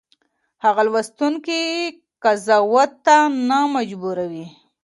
هغه لوستونکی قضاوت ته نه مجبوروي.